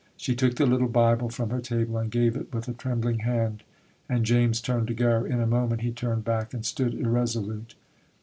She took the little Bible from her table and gave it with a trembling hand, and James turned to go. In a moment he turned back and stood irresolute.